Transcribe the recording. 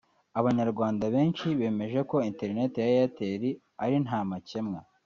abanyarwanda benshi bemeje ko interineti ya Airtel ari nta makemwa